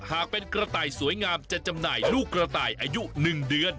หากเป็นกระต่ายสวยงามจะจำหน่ายลูกกระต่ายอายุ๑เดือน